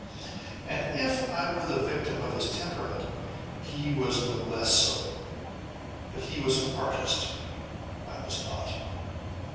And, if I were the victim of his temperament, he was no less so. But he was an artist. I was not.